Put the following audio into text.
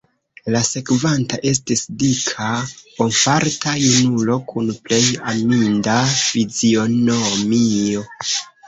La sekvanta estis dika bonfarta junulo, kun plej aminda fizionomio.